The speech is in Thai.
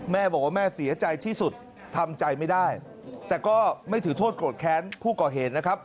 แม่บอกว่าแม่เสียใจที่สุดทำใจไม่ได้แต่ก็ไม่ถือโทษโกรธแค้นผู้ก่อเหตุนะครับ